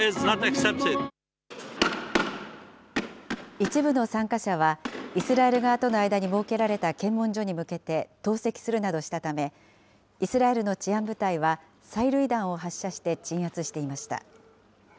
一部の参加者は、イスラエル側との間に設けられた検問所に向けて投石するなどしたため、イスラエルの治安部隊は催涙弾を発射して鎮圧していました。